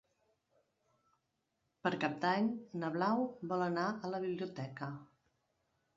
Per Cap d'Any na Blau vol anar a la biblioteca.